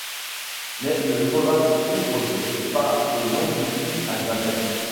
Mais une crevasse s'ouvre sous ses pas et l'engloutit à jamais.